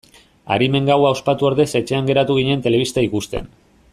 Arimen gaua ospatu ordez etxean geratu ginen telebista ikusten.